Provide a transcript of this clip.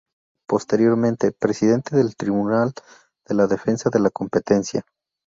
Posteriormente, presidente del Tribunal de Defensa de la Competencia.